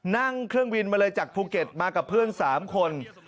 นั่งเครื่องบินมาเลยจากภูเก็ตมากับเพื่อน๓คน